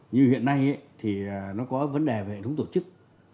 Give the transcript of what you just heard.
như hiện nay nó có vấn đề về thống tổ chức